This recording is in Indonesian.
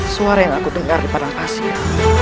suara yang aku dengar di padang asia